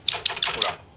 ほら。